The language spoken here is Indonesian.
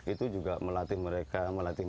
itu juga melatih mereka melatih